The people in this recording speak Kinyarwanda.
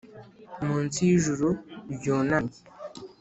munsi y'ijuru ryunamye